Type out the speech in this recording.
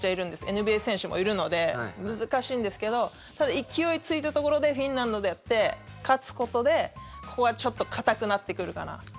ＮＢＡ選手もいるので難しいんですけどただ、勢いついたところでフィンランドとやって勝つことでここがちょっと堅くなってくるかなと。